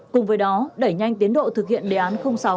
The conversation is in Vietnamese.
cùng với đó đẩy nhanh tiến độ thực hiện đề án sáu